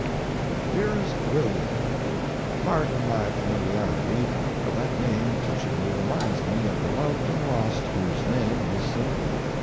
DEAREST WILLIAM:—Pardon my familiarity—but that name touchingly reminds me of the loved and lost, whose name was similar.